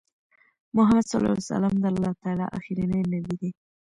محمد صلی الله عليه وسلم د الله تعالی آخرنی نبی دی